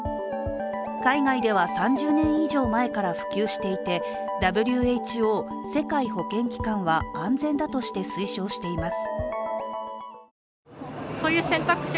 海外では３０年以上前から普及していてＷＨＯ＝世界保健機関では安全だとして推奨しています。